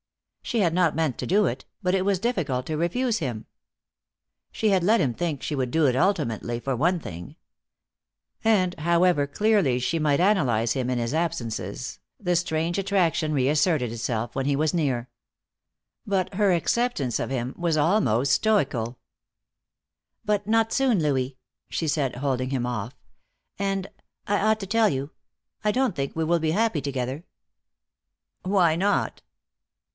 She had not meant to do it, but it was difficult to refuse him. She had let him think she would do it ultimately, for one thing. And, however clearly she might analyze him in his absences, his strange attraction reasserted itself when he was near. But her acceptance of him was almost stoical. "But not soon, Louis," she said, holding him off. "And I ought to tell you I don't think we will be happy together." "Why not?"